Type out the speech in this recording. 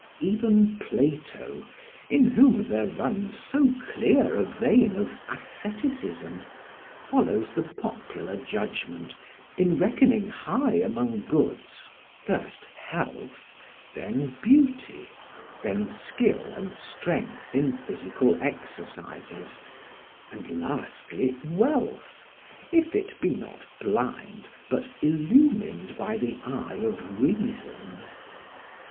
Even Plato, in whom there runs so clear a vein of asceticism, follows the popular judgment in reckoning high among goods, first, health, then beauty, then skill and strength in physical exercises, and lastly wealth, if it be not blind but illumined by the eye of reason.